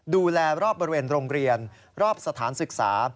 รอบบริเวณโรงเรียนรอบสถานศึกษา